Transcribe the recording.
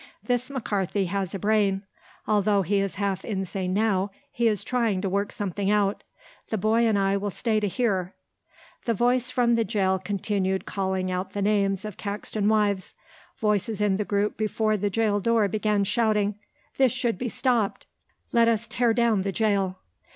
This McCarthy has a brain. Although he is half insane now he is trying to work something out. The boy and I will stay to hear." The voice from the jail continued calling out the names of Caxton wives. Voices in the group before the jail door began shouting: "This should be stopped. Let us tear down the jail."